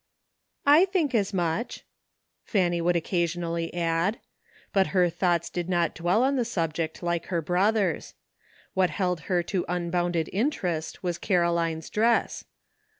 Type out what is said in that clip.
" "I think as much," Fanny would occasionally add ; but her thoughts did not dwell on the sub ject, like her brother's. What held her to un bounded interest was Caroline's dress.